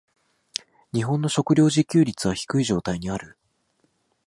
日本の食糧自給率は低い状態にある。